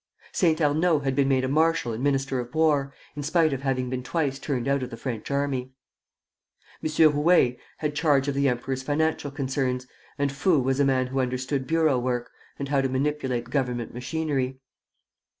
Saint Arnaud had been made a marshal and minister of war, in spite of having been twice turned out of the French army. M. Rouher had charge of the emperor's financial concerns, and Fould was a man who understood bureau work, and how to manipulate government machinery.